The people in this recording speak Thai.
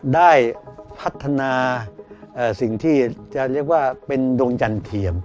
ได้พัฒนาสิ่งที่จะเรียกว่าเป็นดวงจันทร์เทียม